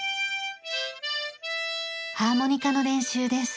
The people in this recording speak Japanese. ハーモニカの練習です。